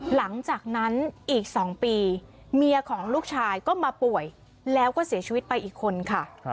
หลังจากนั้นอีก๒ปีเมียของลูกชายก็มาป่วยแล้วก็เสียชีวิตไปอีกคนค่ะ